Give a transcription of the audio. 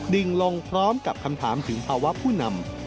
ดิ่งลงพร้อมกับคำถามถึงภาวะผู้นำ